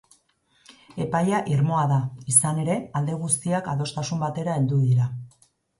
Epaia irmoa da, izan ere, alde guztiak adostasun batera heldu dira.